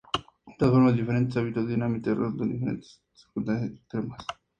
Estas formas diferentes y hábitos de los diamantes resultan de las diferentes circunstancias externas.